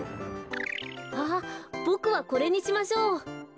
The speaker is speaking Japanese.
あっボクはこれにしましょう。